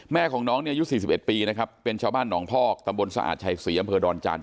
แม่ของน้องเนี่ยอายุ๔๑ปีนะครับเป็นชาวบ้านหนองพอกตำบลสะอาดชัยศรีอำเภอดอนจาน